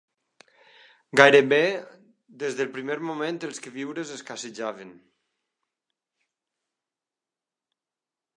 Gairebé des del primer moment els queviures escassejaven